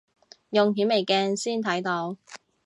用顯微鏡先睇到